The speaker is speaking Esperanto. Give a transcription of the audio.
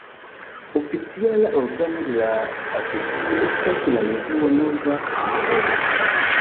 Oficiala organo de la asocio estas la revuo "Nova Vojo".